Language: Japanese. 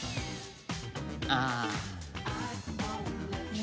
「ああ」